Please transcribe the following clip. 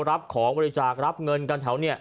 รับของบริจาครับเงินกันแถวนี้